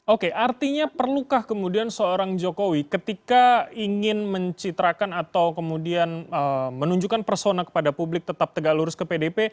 oke artinya perlukah kemudian seorang jokowi ketika ingin mencitrakan atau kemudian menunjukkan persona kepada publik tetap tegak lurus ke pdp